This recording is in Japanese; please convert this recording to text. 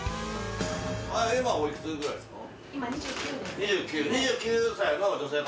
今おいくつぐらいですか？